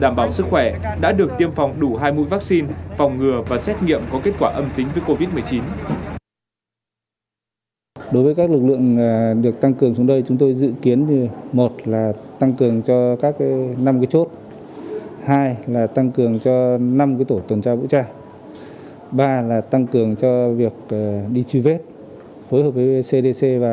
đảm bảo sức khỏe đã được tiêm phòng đủ hai mũi vaccine phòng ngừa và xét nghiệm có kết quả âm tính với covid một mươi chín